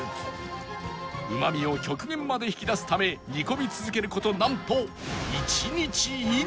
うまみを極限まで引き出すため煮込み続ける事なんと